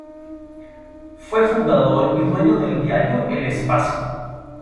Fue fundador y dueño del diario El Espacio.